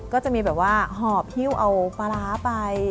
ก็จะมีแบบว่าหอบฮิ้วเอาปลาร้าไป